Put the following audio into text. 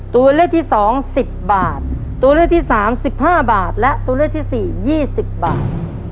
ตัวเลือกที่สองสิบบาทตัวเลือกที่สามสิบห้าบาทและตัวเลือกที่สี่ยี่สิบบาท